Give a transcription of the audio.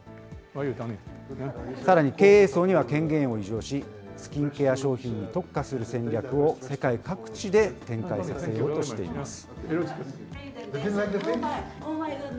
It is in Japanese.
さらに経営層には権限を委譲し、スキンケア商品に特化する戦略を世界各地で展開させようとしています。